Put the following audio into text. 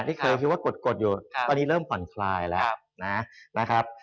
ที่เคยคิดว่ากดอยู่ตอนนี้เริ่มผ่อนคลายแล้วนะครับ